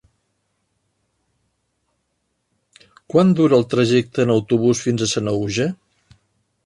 Quant dura el trajecte en autobús fins a Sanaüja?